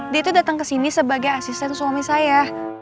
dia itu dateng kesini sebagai asisten suami saya